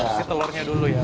kasih telurnya dulu ya